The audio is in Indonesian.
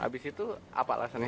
habis itu apa alasannya